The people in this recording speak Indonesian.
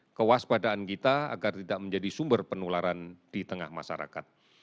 kewaspadaan kita agar tidak menjadi sumber penularan di tengah masyarakat